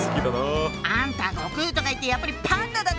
あんた悟空とかいってやっぱりパンダだったのね！